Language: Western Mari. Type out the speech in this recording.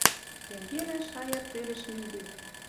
Тенгелӓ шая цельӹш миде.